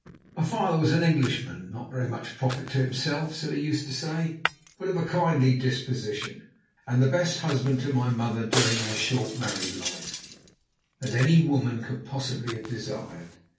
My father was an Englishman, not very much profit to himself, so he used to say, but of a kindly disposition, and the best husband to my mother, during their short married life, that any woman could possibly have desired.